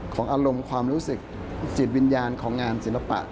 ของอารมณ์ความรู้สึกจิตวิญญาณของงานศิลปะ